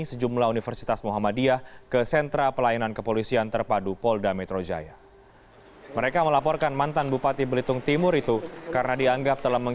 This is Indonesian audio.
sejumlah wakil yang berpikir bahwa mereka tidak bisa berpikir pikir tentang hal ini